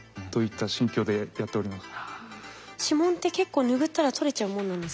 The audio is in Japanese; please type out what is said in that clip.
指紋って結構ぬぐったら取れちゃうもんなんですか？